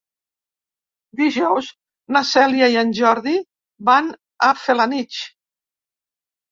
Dijous na Cèlia i en Jordi van a Felanitx.